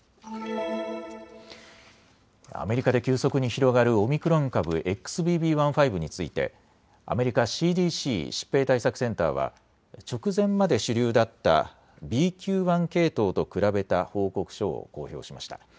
アメリカで急速に広がるオミクロン株、ＸＢＢ．１．５についてアメリカＣＤＣ・疾病対策センターは直前まで主流だったＢＱ．１系統と比べた報告書を公表しました。